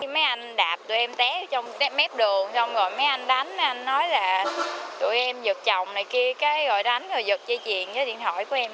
mấy anh đạp tụi em té trong cái mép đường xong rồi mấy anh đánh nói là tụi em giật chồng này kia cái gọi đánh rồi giật dây chuyền với điện thoại của em